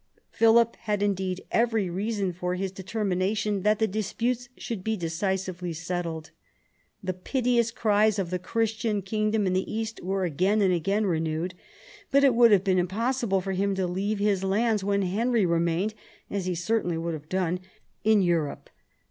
Philip had indeed every reason for his determination that the disputes should be decisively settled. The piteous cries of the Christian kingdom in the East were again and again renewed. But it would have been impossible for him to leave his lands when Henry remained — as he certainly would have done — in Europe.